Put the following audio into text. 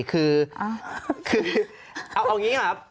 คือเอาอย่างงี้นะครับ